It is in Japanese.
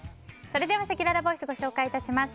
それではせきららボイスご紹介致します。